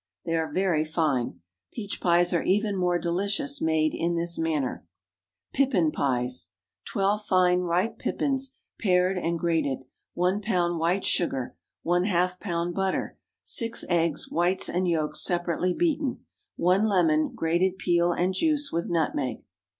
They are very fine. Peach pies are even more delicious, made in this manner. PIPPIN PIES. 12 fine ripe pippins, pared and grated. 1 lb. white sugar. ½ lb. butter. 6 eggs—whites and yolks separately beaten. 1 lemon—grated peel and juice, with nutmeg.